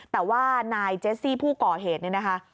แต่ว่านายเจสซี่ผู้ก่อเหตุเนี่ยนะคะ